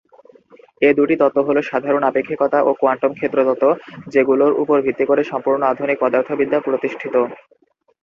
এ দু'টি তত্ত্ব হল সাধারণ আপেক্ষিকতা ও কোয়ান্টাম ক্ষেত্র তত্ত্ব, যেগুলোর উপর ভিত্তি করে সম্পূর্ণ আধুনিক পদার্থবিদ্যা প্রতিষ্ঠিত।